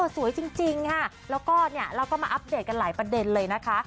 สวยจริงค่ะคุณบปุ๊มแล้วก็มาอัปเดตกันหลายประเด็นเลยนะคะ